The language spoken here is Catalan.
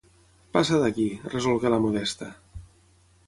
Passa d'aquí! –resolgué la Modesta.